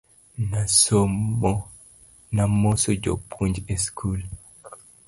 Namoso japuonj e skul